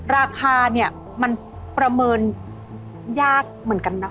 ราคาเนี่ยมันประเมินยากเหมือนกันนะ